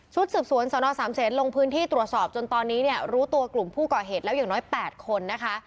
สืบสวนสนสามเศษลงพื้นที่ตรวจสอบจนตอนนี้เนี่ยรู้ตัวกลุ่มผู้ก่อเหตุแล้วอย่างน้อย๘คนนะคะ